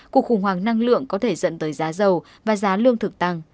cuộc khủng hoảng năng lượng có thể dẫn tới giá dầu và giá lương thực tăng